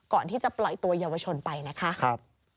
ก่อนที่จะปล่อยตัวเยาวชนไปนะคะ